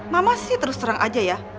mama sih terus terang aja ya